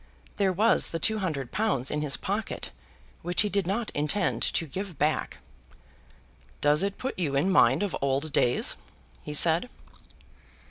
There was the two hundred pounds in his pocket, which he did not intend to give back. "Does it put you in mind of 'old days?'" he said.